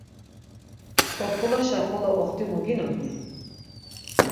Tzopulaşa xolo oxtimu ginoni?